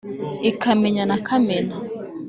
ikamenya na kamena